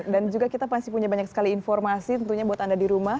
dan juga kita pasti punya banyak sekali informasi tentunya buat anda di rumah